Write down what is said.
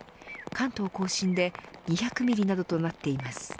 関東甲信で２００ミリなどとなっています。